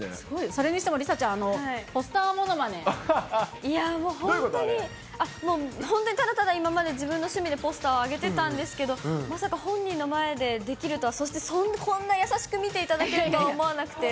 それにしても、梨紗ちゃん、いやぁ、もう本当に、ただただただ、今まで自分の趣味でポスター挙げてたんですけど、まさか本人の前でできるとは、そしてこんな優しく見ていただけると思わなくて。